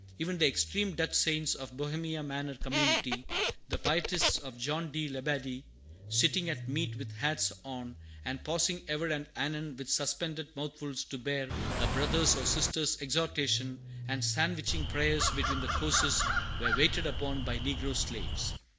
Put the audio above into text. Even the extreme Dutch saints of Bohemia Manor community, the pietists of John de Labadie, sitting at meat with hats on, and pausing ever and anon with suspended mouthfuls to bear a brother's or sister's exhortation, and sandwiching prayers between the courses, were waited upon by negro slaves.